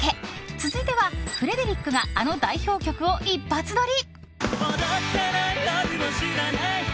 続いては、フレデリックがあの代表曲を一発撮り。